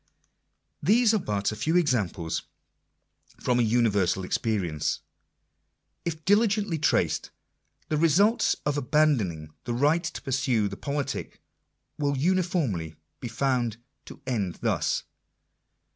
These are but a few samples from a universal experience. If diligently traced, the results of abandoning the right to pursue the politic will uniformly be found to end thus.